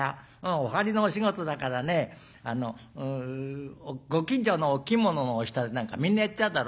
お針のお仕事だからねご近所のお着物の人やなんかみんなやっちゃうだろ。